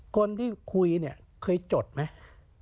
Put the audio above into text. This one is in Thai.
คนที่คุยเคยจดไหม